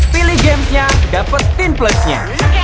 pilih gamesnya dapetin plusnya